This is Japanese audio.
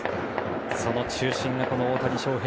その中心が大谷翔平。